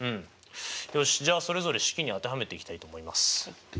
よしじゃあそれぞれ式に当てはめていきたいと思います。